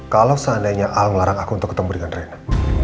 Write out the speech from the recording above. kalo seandainya hal ngelarang aku untuk ketemu dengan reina